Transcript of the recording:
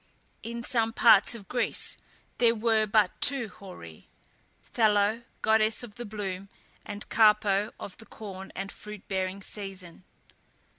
In some parts of Greece there were but two Horæ, Thallo, goddess of the bloom, and Carpo, of the corn and fruit bearing season.